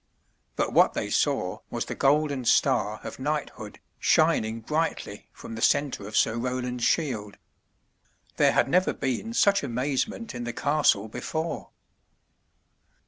But what they saw was the golden star of knighthood, shining brightly from the center of Sir Roland's shield. There had never been such amaze ment in the castle before.